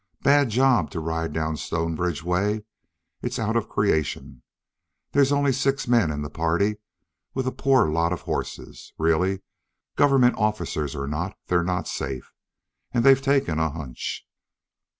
Bad job to ride down Stonebridge way! It's out of creation. There's only six men in the party, with a poor lot of horses. Really, government officers or not, they're not safe. And they've taken a hunch."